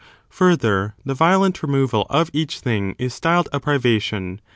Further, the violent removal of each thing is ^^^^^^^^ styled a privation.